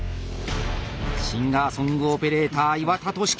シンガーソングオペレーター岩田稔希。